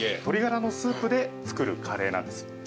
鶏がらのスープで作るカレーなんです。